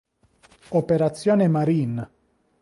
Operazione Marine.